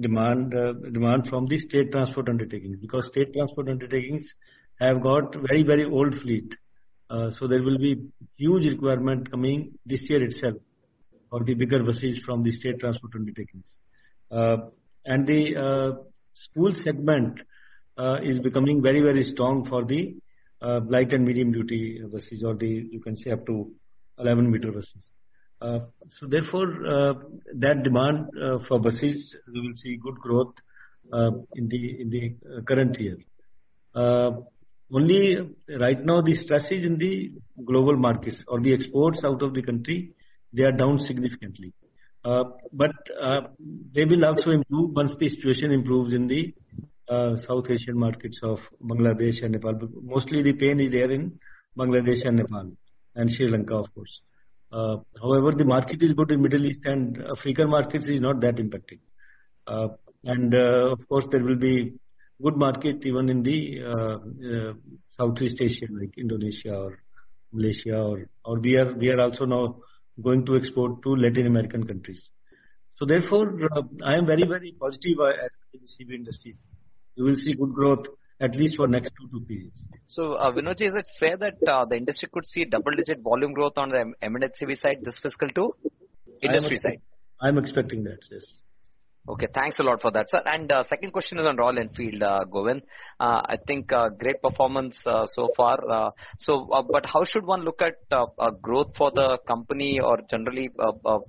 demand from the state transport undertakings because state transport undertakings have got very, very old fleet. There will be huge requirement coming this year itself of the bigger buses from the state transport undertakings. The school segment is becoming very, very strong for the light and medium duty buses or the, you can say up to 11-meter buses. Therefore, that demand for buses, we will see good growth in the current year. Only right now the stresses in the global markets or the exports out of the country, they are down significantly. They will also improve once the situation improves in the South Asian markets of Bangladesh and Nepal. Mostly the pain is there in Bangladesh and Nepal and Sri Lanka of course. However, the market is good in Middle East and African markets is not that impacted. Of course, there will be good market even in the Southeast Asia like Indonesia or Malaysia or we are also now going to export to Latin American countries. Therefore, I am very, very positive about the CV industry. We will see good growth at least for next two periods. Vinod, is it fair that the industry could see double-digit volume growth on the M&CV side this fiscal too, industry side? I'm expecting that. Yes. Okay. Thanks a lot for that, sir. Second question is on Royal Enfield, Govind. I think, great performance so far. How should one look at growth for the company or generally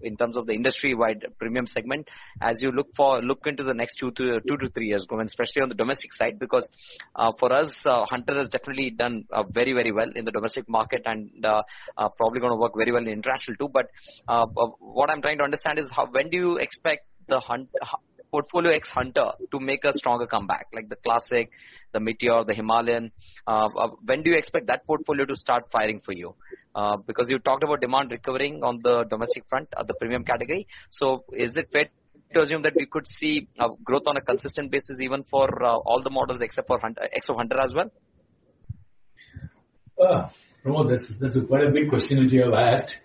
in terms of the industry-wide premium segment as you look for, look into the next two to three years, Govind, especially on the domestic side? For us, Hunter has definitely done very, very well in the domestic market probably gonna work very well in international too. What I'm trying to understand is how, when do you expect the H-portfolio X Hunter to make a stronger comeback, like the Classic, the Meteor, the Himalayan? When do you expect that portfolio to start firing for you? Because you talked about demand recovering on the domestic front at the premium category. Is it fair to assume that we could see a growth on a consistent basis even for all the models except for Hunter as well? Pramod, that's a very big question which you have asked.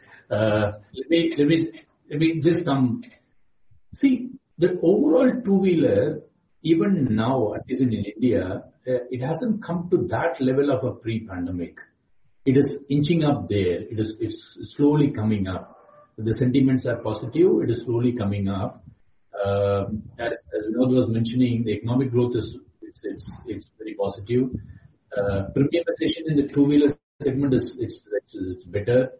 See, the overall two-wheeler, even now, at least in India, it hasn't come to that level of a pre-pandemic. It is inching up there. It's slowly coming up. The sentiments are positive. It is slowly coming up. As Vinod was mentioning, the economic growth is very positive. Premiumization in the two-wheeler segment is better.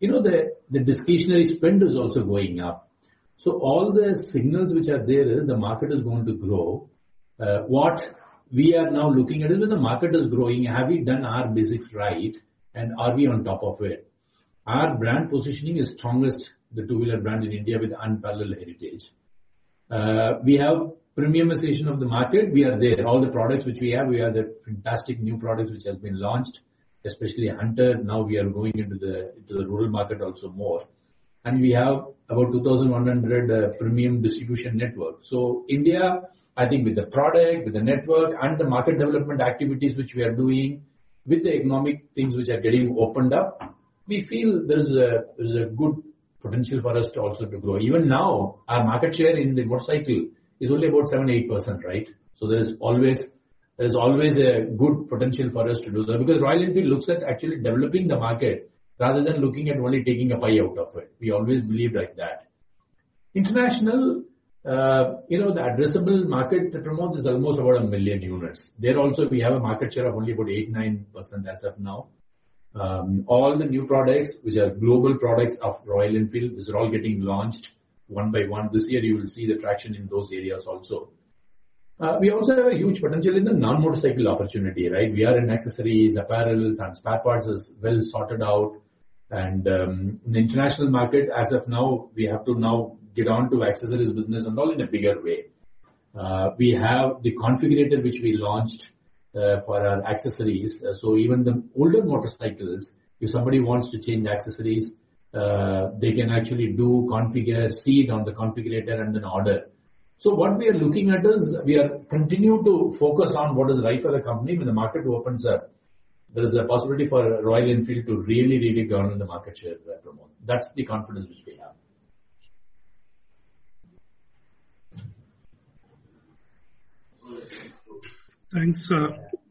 You know, the discretionary spend is also going up. All the signals which are there is the market is going to grow. What we are now looking at is when the market is growing, have we done our basics right, and are we on top of it? Our brand positioning is strongest, the two-wheeler brand in India with unparalleled heritage. We have premiumization of the market. We are there. All the products which we have, we have the fantastic new products which have been launched, especially Hunter. Now we are going into the rural market also more. We have about 2,100 premium distribution network. India, I think with the product, with the network and the market development activities which we are doing with the economic things which are getting opened up, we feel there is a good potential for us to also to grow. Even now, our market share in the motorcycle is only about 7%-8%, right? There is always a good potential for us to do that because Royal Enfield looks at actually developing the market rather than looking at only taking a pie out of it. We always believe like that. International, you know, the addressable market, Pramod, is almost about 1 million units. There also we have a market share of only about 8%-9% as of now. All the new products which are global products of Royal Enfield, these are all getting launched one by one. This year you will see the traction in those areas also. We also have a huge potential in the non-motorcycle opportunity, right? We are in accessories, apparels and spare parts is well sorted out. In the international market, as of now, we have to now get on to accessories business and all in a bigger way. We have the configurator which we launched for our accessories. Even the older motorcycles, if somebody wants to change accessories, they can actually do, configure, see it on the configurator and then order. What we are looking at is we are continue to focus on what is right for the company. When the market opens up, there is a possibility for Royal Enfield to really, really grow in the market share there, Pramod. That's the confidence which we have. Thanks.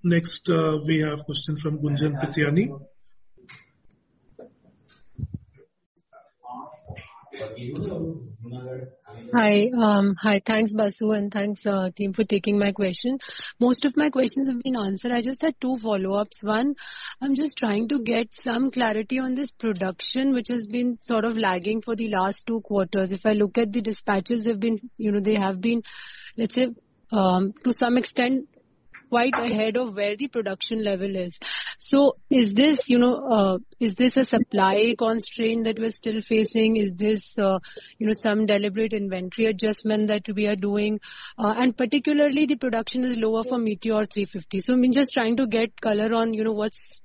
next, we have question from Gunjan Patidar. Hi. Hi. Thanks, Basu, and thanks, team for taking my question. Most of my questions have been answered. I just had two follow-ups. One, I'm just trying to get some clarity on this production which has been sort of lagging for the last two quarters. If I look at the dispatches, they've been, you know, they have been, let's say, to some extent, quite ahead of where the production level is. Is this, you know, is this a supply constraint that we're still facing? Is this, you know, some deliberate inventory adjustment that we are doing? Particularly the production is lower for Meteor 350. I'm just trying to get color on, you know, what's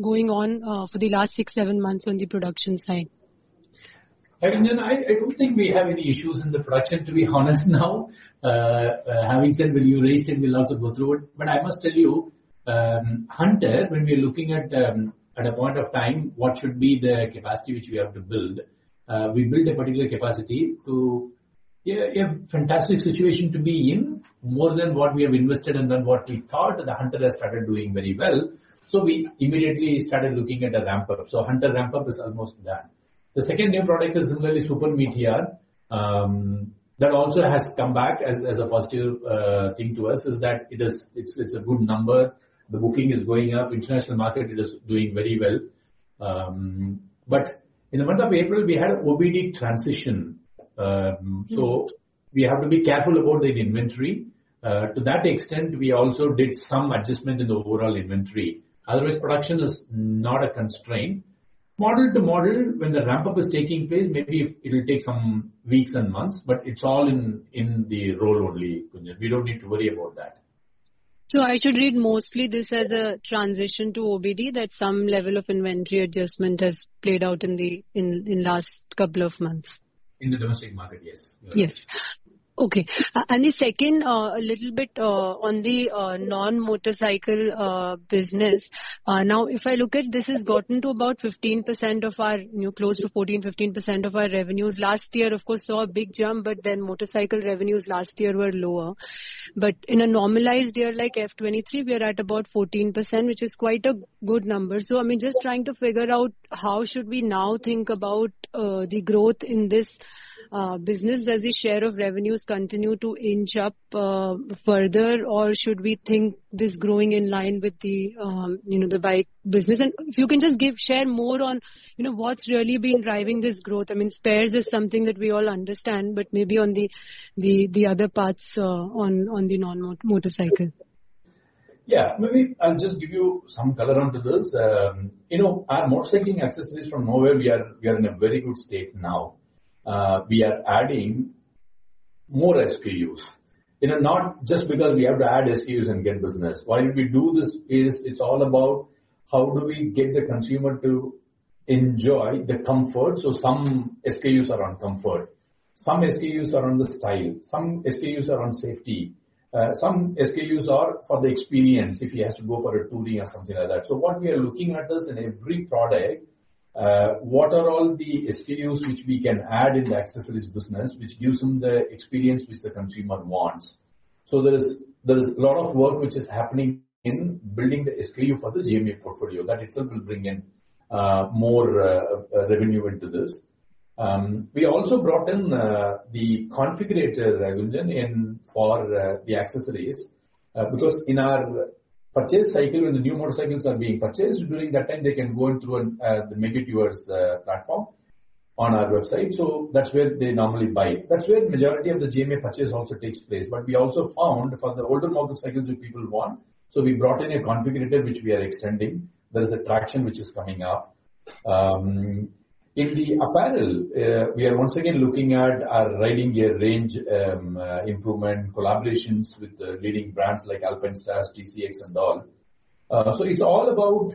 going on, for the last six, seven months on the production side. Gunjan, I don't think we have any issues in the production, to be honest now. Having said, when you raised it, we'll also go through it. I must tell you, Hunter, when we're looking at a point of time, what should be the capacity which we have to build, we built a particular capacity to a fantastic situation to be in, more than what we have invested and than what we thought. The Hunter has started doing very well. We immediately started looking at a ramp up. Hunter ramp up is almost done. The second new product is similarly Super Meteor. That also has come back as a positive thing to us is that it is, it's a good number. The booking is going up. International market, it is doing very well. In the month of April, we had OBD transition. We have to be careful about the inventory. To that extent, we also did some adjustment in the overall inventory. Otherwise, production is not a constraint. Model to model, when the ramp-up is taking place, maybe it'll take some weeks and months, but it's all in the roll only, Gunjan. We don't need to worry about that. I should read mostly this as a transition to OBD, that some level of inventory adjustment has played out in the last couple of months. In the domestic market, yes. Yes. Okay. The second, a little bit, on the non-motorcycle business. Now, if I look at this has gotten to about 15% of our, you know, close to 14%, 15% of our revenues. Last year, of course, saw a big jump, motorcycle revenues last year were lower. In a normalized year like FY 2023, we are at about 14%, which is quite a good number. I'm just trying to figure out how should we now think about the growth in this business. Does the share of revenues continue to inch up further? Should we think this growing in line with the, you know, the bike business? If you can just give, share more on, you know, what's really been driving this growth. I mean, spares is something that we all understand, but maybe on the, the other parts, on the motorcycle. Yeah. Maybe I'll just give you some color onto this. You know, our motorcycling accessories from nowhere, we are in a very good state now. We are adding more SKUs. You know, not just because we have to add SKUs and get business. Why we do this is it's all about how do we get the consumer to enjoy the comfort. Some SKUs are on comfort, some SKUs are on the style, some SKUs are on safety, some SKUs are for the experience, if he has to go for a touring or something like that. What we are looking at is in every product, what are all the SKUs which we can add in the accessories business which gives them the experience which the consumer wants. There is a lot of work which is happening in building the SKU for the GMA portfolio. That itself will bring in more revenue into this. We also brought in the configurator, Gunjan, in for the accessories, because in our purchase cycle, when the new motorcycles are being purchased, during that time, they can go through the Make It Yours platform on our website. That's where they normally buy. That's where majority of the GMA purchase also takes place. We also found for the older model cycles which people want, so we brought in a configurator which we are extending. There is a traction which is coming up. In the apparel, we are once again looking at our riding gear range, improvement, collaborations with leading brands like Alpinestars, TCX and all. It's all about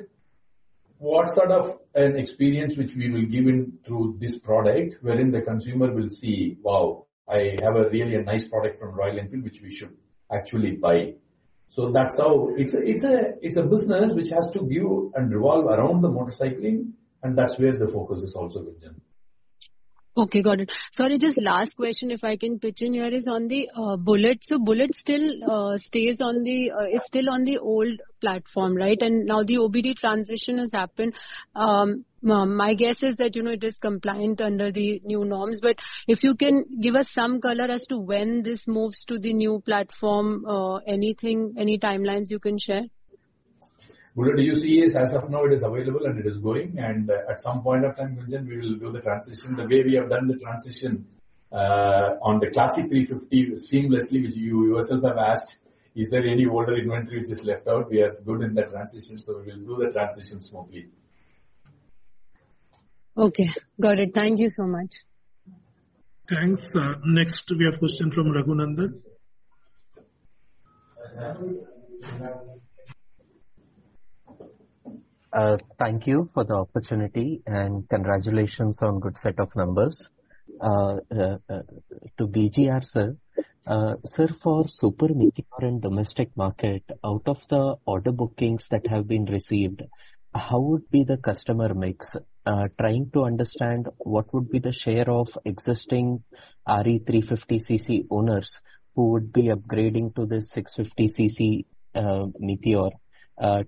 what sort of an experience which we will give in through this product, wherein the consumer will see, "Wow, I have a really a nice product from Royal Enfield which we should actually buy." That's how. It's a business which has to view and revolve around the motorcycling, and that's where the focus is also, Gunjan. Okay, got it. Sorry, just last question, if I can pitch in here, is on the Bullet. Bullet still stays on the old platform, right? Now the OBD transition has happened. My guess is that, you know, it is compliant under the new norms. If you can give us some color as to when this moves to the new platform, anything, any timelines you can share. Bullet UCE as of now it is available and it is going and at some point of time, Gunjan, we will do the transition. The way we have done the transition, on the Classic 350 seamlessly, which you yourselves have asked, is there any older inventory which is left out? We are good in that transition, so we will do the transition smoothly. Okay. Got it. Thank you so much. Thanks. Next we have question from Raghunandan. Thank you for the opportunity and congratulations on good set of numbers. To BGR, sir. Sir, for Super Meteor in domestic market, out of the order bookings that have been received, how would be the customer mix? Trying to understand what would be the share of existing RE 350cc owners who would be upgrading to the 650cc Meteor.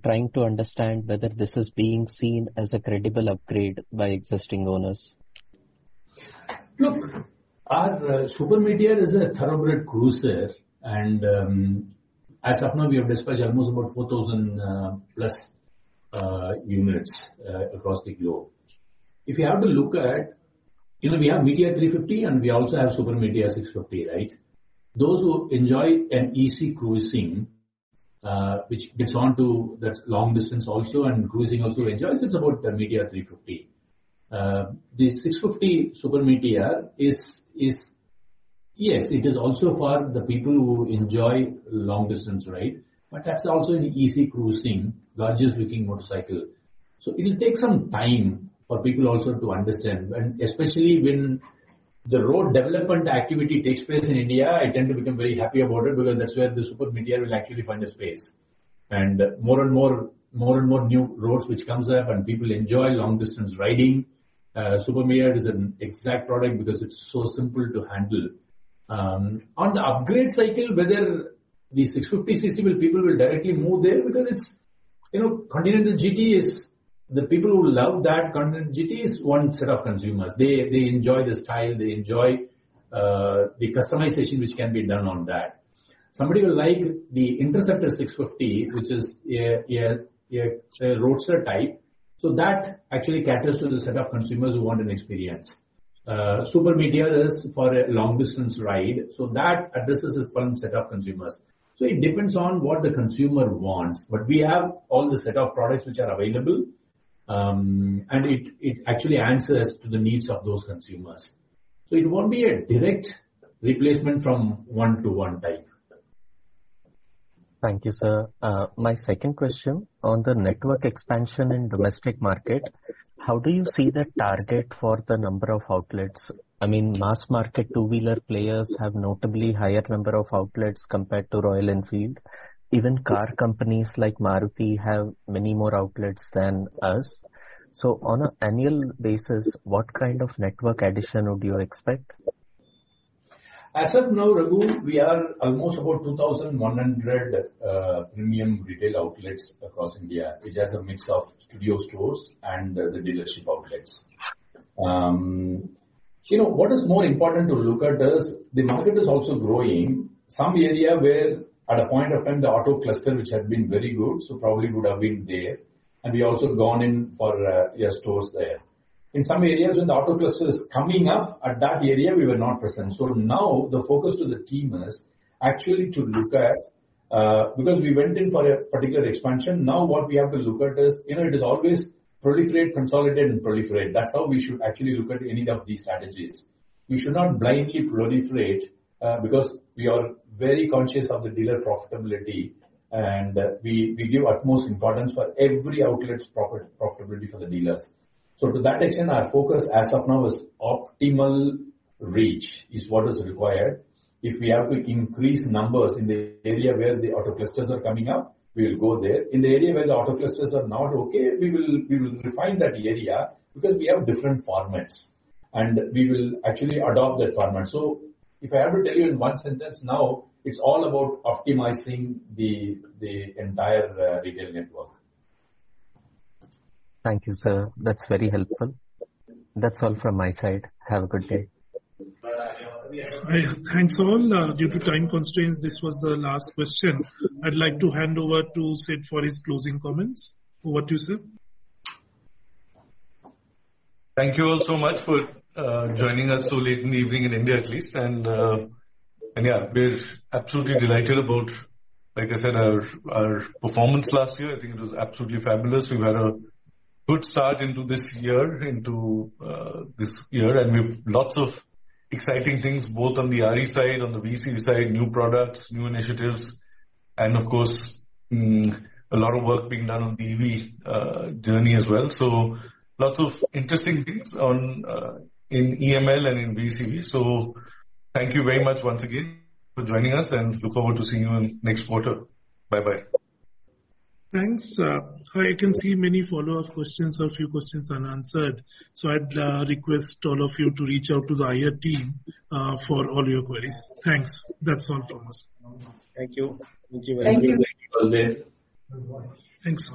Trying to understand whether this is being seen as a credible upgrade by existing owners. Look, our Super Meteor is a thoroughbred cruiser and, as of now we have dispatched almost about 4,000 plus units across the globe. If you have to look at, we have Meteor 350 and we also have Super Meteor 650, right? Those who enjoy an easy cruising, which gets on to that long distance also and cruising also enjoys, it's about the Meteor 350. The 650 Super Meteor is, yes, it is also for the people who enjoy long distance ride. That's also an easy cruising, gorgeous looking motorcycle. It'll take some time for people also to understand. Especially when the road development activity takes place in India, I tend to become very happy about it because that's where the Super Meteor will actually find a space. More and more, more and more new roads which comes up and people enjoy long distance riding, Super Meteor is an exact product because it's so simple to handle. On the upgrade cycle, whether the 650cc will people will directly move there because it's, you know, Continental GT is the people who love that Continental GT is one set of consumers. They enjoy the style, they enjoy the customization which can be done on that. Somebody will like the Interceptor 650, which is a roadster type. That actually caters to the set of consumers who want an experience. Super Meteor is for a long distance ride, so that addresses a different set of consumers. It depends on what the consumer wants. We have all the set of products which are available, and it actually answers to the needs of those consumers. it won't be a direct replacement from one-to-one type. Thank you, sir. My second question on the network expansion in domestic market, how do you see the target for the number of outlets? I mean, mass market two-wheeler players have notably higher number of outlets compared to Royal Enfield. Even car companies like Maruti have many more outlets than us. On an annual basis, what kind of network addition would you expect? As of now, Raghu, we are almost about 2,100 premium retail outlets across India, which has a mix of studio stores and the dealership outlets. You know, what is more important to look at is the market is also growing. Some area where at a point of time the Autocluster which had been very good, so probably would have been there. We also gone in for, yeah, stores there. In some areas when the Autocluster is coming up, at that area we were not present. Now the focus to the team is actually to look at, because we went in for a particular expansion, now what we have to look at is, you know, it is always proliferate, consolidate, and proliferate. That's how we should actually look at any of these strategies. We should not blindly proliferate, because we are very conscious of the dealer profitability and we give utmost importance for every outlet's profitability for the dealers. To that extent, our focus as of now is optimal reach is what is required. If we have to increase numbers in the area where the AutoClusters are coming up, we will go there. In the area where the AutoClusters are not okay, we will refine that area because we have different formats, and we will actually adopt that format. If I have to tell you in one sentence now, it's all about optimizing the entire retail network. Thank you, sir. That's very helpful. That's all from my side. Have a good day. Thanks all. Due to time constraints, this was the last question. I'd like to hand over to Sid for his closing comments. Over to you, Sid. Thank you all so much for joining us so late in the evening in India at least. Yeah, we're absolutely delighted about, like I said, our performance last year. I think it was absolutely fabulous. We've had a good start into this year, and we've lots of exciting things, both on the RE side, on the VECV side, new products, new initiatives, and of course, a lot of work being done on the EV journey as well. Lots of interesting things in EML and in VECV. Thank you very much once again for joining us, and look forward to seeing you in next quarter. Bye-bye. Thanks. I can see many follow-up questions or a few questions unanswered, so I'd request all of you to reach out to the IR team for all your queries. Thanks. That's all from us. Thank you. Thank you. Thanks.